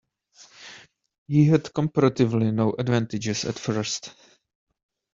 He had comparatively no advantages at first.